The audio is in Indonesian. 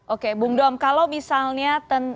oke bung dom kalau misalnya